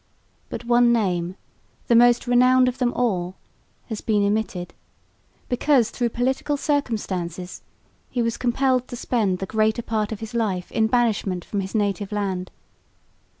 But one name, the most renowned of them all, has been omitted, because through political circumstances he was compelled to spend the greater part of his life in banishment from his native land.